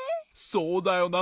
そうだよな。